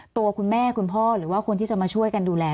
ตัวคุณแม่คุณพ่อหรือว่าคนที่จะมาช่วยกันดูแล